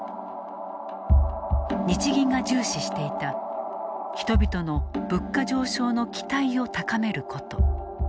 日銀が重視していた人々の物価上昇の期待を高めること。